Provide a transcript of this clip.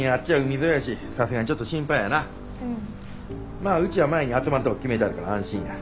まあうちは前に集まるとこ決めたから安心や。